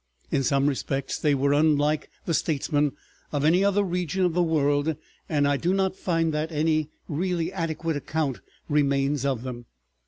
In some respects they were unlike the statesmen of any other region of the world, and I do not find that any really adequate account remains of them.